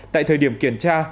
tại thời điểm kiểm tra